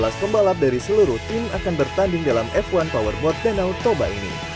dua belas pembalap dari seluruh tim akan bertanding dalam f satu powerboat danau toba ini